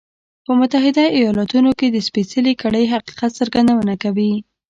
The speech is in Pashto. په متحده ایالتونو کې د سپېڅلې کړۍ حقیقت څرګندونه کوي.